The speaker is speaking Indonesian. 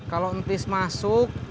kalau entis masuk